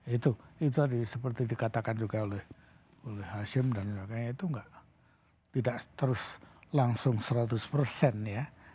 itu itu tadi seperti dikatakan juga oleh hashim dan sebagainya itu tidak terus langsung seratus persen ya